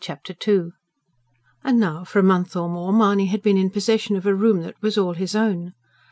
Chapter II And now for a month or more Mahony had been in possession of a room that was all his own.